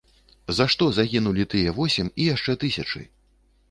За што загінулі тыя восем і яшчэ тысячы?